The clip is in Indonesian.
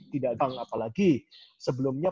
tidak gampang apalagi sebelumnya